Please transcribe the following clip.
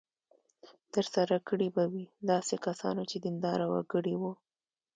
ترسره کړې به وي داسې کسانو چې دینداره وګړي وو.